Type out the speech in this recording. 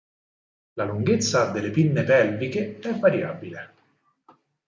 La lunghezza delle pinne pelviche è variabile.